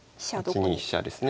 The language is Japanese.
８二飛車ですね。